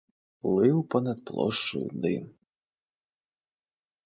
Плыў па-над плошчаю дым.